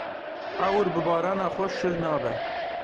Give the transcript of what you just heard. Ewr bi barana xwe şil nabe.